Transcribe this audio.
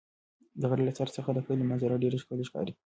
د غره له سر څخه د کلي منظره ډېره ښکلې ښکاري.